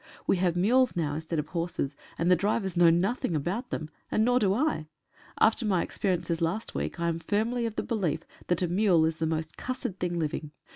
We have mules now, instead of horses, and the drivers know nothing about them — nor do I ! After my experi ences last week I am firmly of the belief that a mule is the most cussed thing living.